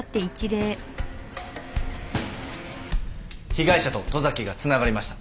被害者と十崎がつながりました。